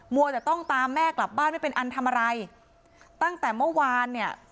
วัวแต่ต้องตามแม่กลับบ้านไม่เป็นอันทำอะไรตั้งแต่เมื่อวานเนี่ย